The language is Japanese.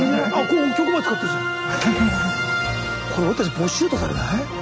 これ俺たちボッシュートされない？